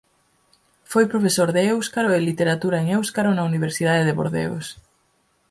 Foi profesor de éuscaro e literatura en éuscaro na universidade de Bordeos.